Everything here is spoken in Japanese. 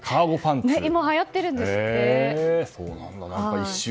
今、はやっているんですって。